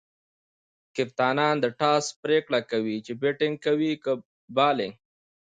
کپتانان د ټاس پرېکړه کوي، چي بيټینګ کوي؛ که بالینګ.